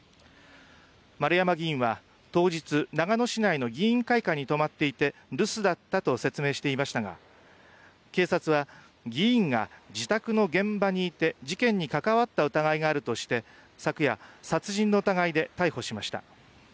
丸山議員は、当日長野市内の議員会館に泊まっていて留守だったと説明していましたが警察は、議員が自宅の現場にいて事件に関わった疑いがあるとして昨夜殺人の疑いで逮捕しました。